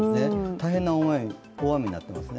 大変な大雨になっていますね。